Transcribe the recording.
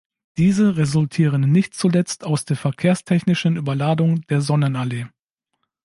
Diese resultieren nicht zuletzt aus der verkehrstechnischen Überladung der Sonnenallee.